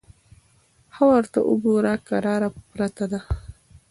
_ها ورته وګوره! کراره پرته ده.